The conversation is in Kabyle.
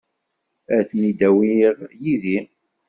Ad ten-in-awiɣ yid-i.